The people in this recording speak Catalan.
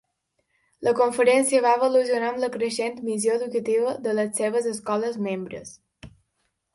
La conferència va evolucionar amb la creixent missió educativa de les seves escoles membres.